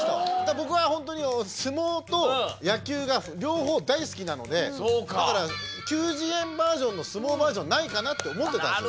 僕はホントに相撲と野球が両方大好きなのでだから「球辞苑」バージョンの相撲バージョンないかなって思ってたんですよ。